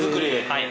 はい。